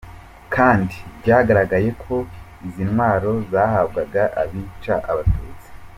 Kandi byagaragaye ko izi ntwaro zahabwaga abica Abatutsi.